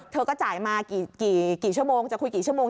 เธอก็จ่ายมากี่ชั่วโมงจะคุยกี่ชั่วโมง